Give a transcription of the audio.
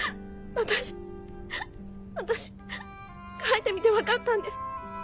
私私書いてみて分かったんです。